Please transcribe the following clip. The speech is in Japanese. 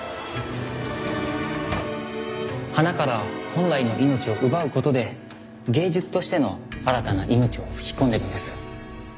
花から本来の命を奪う事で芸術としての新たな命を吹き込んでいるんです。